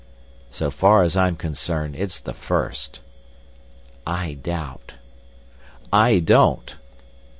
"So far as I'm concerned—it's the first." "I doubt." "I don't."